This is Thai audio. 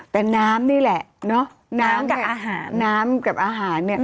แต่น้ำนี่แหละน้ำกับอาหาร